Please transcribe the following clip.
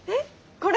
これ？